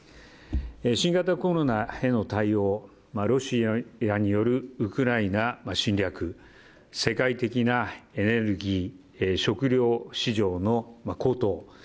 新型コロナへの対応、ロシアによるウクライナ侵略、世界的なエネルギー、食料市場の高騰。